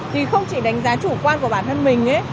thì không chỉ đánh giá chủ quan của bản thân mình ấy